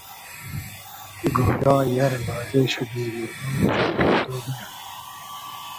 گۉیا ای ار لازې شی بې موردۉ و جان کئندۉ نییۂ